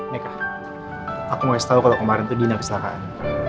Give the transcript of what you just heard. neka aku gak bisa tahu kalau kemarin itu dina kesalahan